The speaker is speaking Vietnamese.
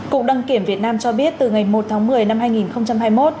cục đăng kiểm việt nam cho biết từ ngày một tháng một mươi năm hai nghìn hai mươi một